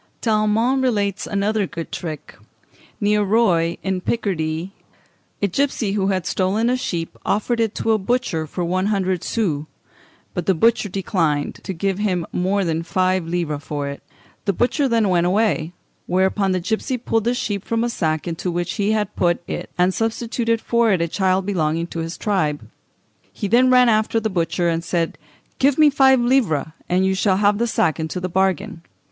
Tallemant relates another good trick. Near Roye, in Picardy, a gipsy who had stolen a sheep offered it to a butcher for one hundred sous (about sixty francs of our money), but the butcher declined to give more than four livres for it. The butcher then went away; whereupon the gipsy pulled the sheep from a sack into which he had put it, and substituted for it a child belonging to his tribe. He then ran after the butcher, and said, "Give me five livres, and you shall have the sack into the bargain."